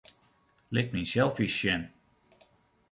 Lit myn selfies sjen.